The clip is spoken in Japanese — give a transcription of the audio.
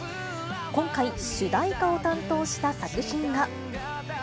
今回、主題歌を担当した作品が。